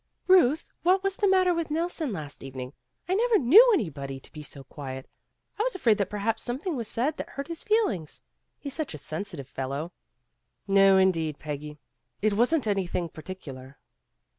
"Ruth, what was the matter with Nelson last evening? I never knew anybody to be so quiet. I was afraid that perhaps something was said that hurt his feelings. He's such a sensitive fellow." "No indeed, Peggy. It wasn't anything par ticular."